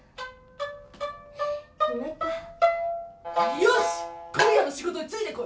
「よし今夜の仕事についてこい。